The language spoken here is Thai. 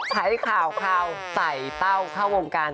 ใช้ข่าวใส่เต้าเข้าวงการ